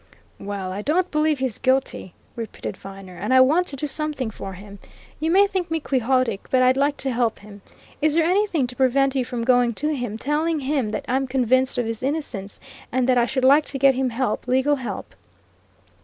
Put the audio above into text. "Well, I don't believe he's guilty," repeated Viner. "And I want to do something for him. You may think me quixotic, but I'd like to help him. Is there anything to prevent you from going to him, telling him that I'm convinced of his innocence and that I should like to get him help legal help?"